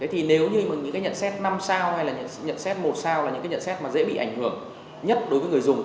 thì nếu như những cái nhận xét năm sao hay là nhận xét một sao là những cái nhận xét mà dễ bị ảnh hưởng nhất đối với người dùng